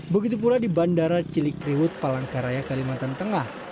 begitu pula di bandara cilikriwut palangkaraya kalimantan tengah